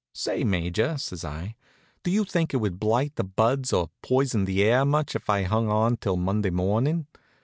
"Say, Major," says I, "do you think it would blight the buds or poison the air much if I hung on till Monday morning?